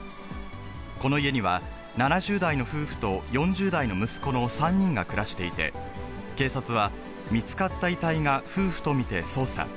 この家には、７０代の夫婦と４０代の息子の３人が暮らしていて、警察は見つかった遺体が夫婦と見て捜査。